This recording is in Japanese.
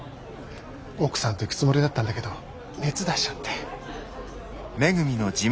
奥さんと行くつもりだったんだけど熱出しちゃって。